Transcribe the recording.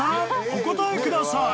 お答えください］